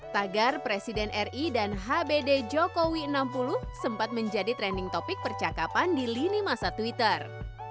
tagar presiden ri dan hbd jokowi enam puluh sempat menjadi trending topic percakapan di lini masa twitter